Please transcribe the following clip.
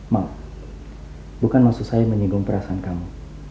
maaf bukan maksud saya menyinggung perasaan kamu